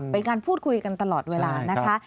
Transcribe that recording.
เป็นการพูดคุยกันตลอดเวลานะคะ